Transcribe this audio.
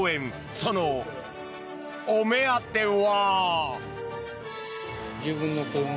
そのお目当ては。